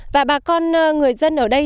và bà con người dân ở đây